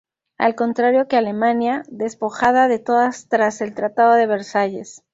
Al contrario que Alemania, despojada de todas tras el Tratado de Versalles.